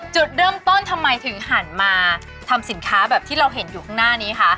จุดเริ่มต้นทำไมถึงหันมาทำสินค้าแบบที่เราเห็นอยู่ข้างหน้านี้คะ